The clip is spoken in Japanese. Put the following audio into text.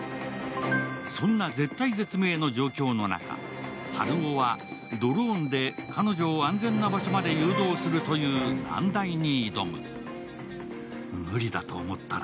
そんな絶体絶命の状況の中、ハルオはドローンで彼女を安全な場所まで誘導するという難題に挑む。